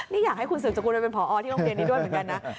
นี่อยากให้คุณสืบสกุลไปเป็นผอที่โรงเรียนนี้ด้วยเหมือนกันนะ